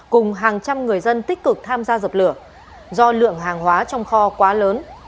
cùng hàng trăm người dân tích cực tham gia dập lửa do lượng hàng hóa trong kho quá lớn